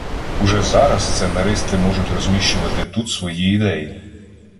Уже зараз сценаристи можуть розміщувати тут свої ідеї.